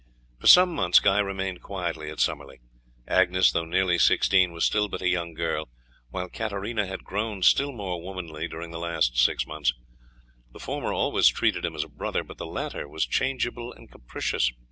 For some months Guy remained quietly at Summerley. Agnes, though nearly sixteen, was still but a young girl, while Katarina had grown still more womanly during the last six months. The former always treated him as a brother, but the latter was changeable and capricious.